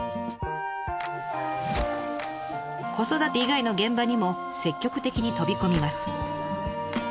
子育て以外の現場にも積極的に飛び込みます。